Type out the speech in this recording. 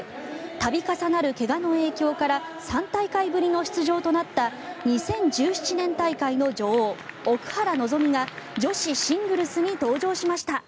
度重なる怪我の影響から３大会ぶりの出場となった２０１７年大会の女王奥原希望が女子シングルスに登場しました。